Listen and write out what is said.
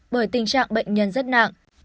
bởi tình trạng bệnh nhân rất nặng